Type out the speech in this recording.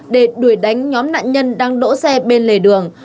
để đuổi đánh nhóm nạn nhân đang đỗ xe bên lề đường